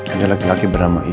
ada laki laki bernama i